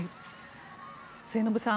末延さん